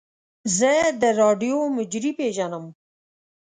زه د راډیو مجری پیژنم.